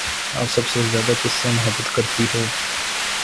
آپ سب سے زیادہ کس سے محبت کرتی ہو؟